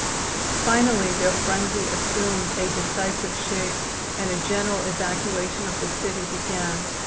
Finally their frenzy assumed a decisive shape and a general evacuation of the city began.